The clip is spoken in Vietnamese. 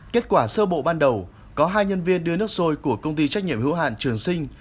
kết quả sơ bộ ban đầu có hai nhân viên đưa nước sôi của công ty trách nhiệm hữu hạn trường sinh